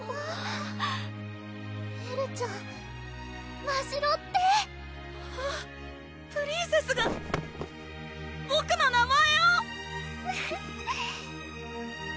エルちゃんましろってあぁプリンセスがボクの名前を！